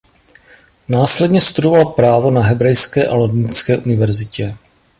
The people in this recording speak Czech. Následně studoval právo na Hebrejské a Londýnské univerzitě.